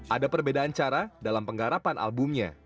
ada perbedaan cara dalam penggarapan albumnya